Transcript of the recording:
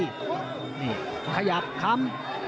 มีทีขยายับคำ